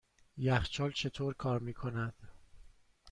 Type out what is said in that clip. یخچال چطور کار میکند؟